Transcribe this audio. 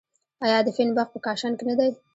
آیا د فین باغ په کاشان کې نه دی؟